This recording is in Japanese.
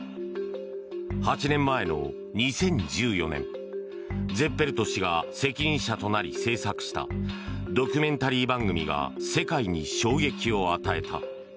８年前の２０１４年ゼッペルト氏が責任者となり制作したドキュメンタリー番組が世界に衝撃を与えた。